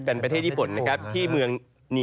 เป็นประเทศญี่ปุ่นนะครับที่เมืองนี